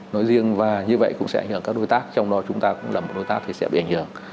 nói riêng và như vậy cũng sẽ ảnh hưởng các đối tác trong đó chúng ta cũng là một đối tác thì sẽ bị ảnh hưởng